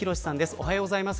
おはようございます。